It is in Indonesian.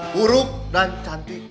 buruk dan cantik